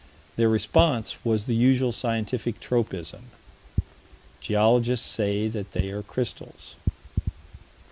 Their response was the usual scientific tropism "Geologists say that they are crystals."